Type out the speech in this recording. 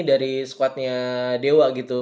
dari squadnya dewa gitu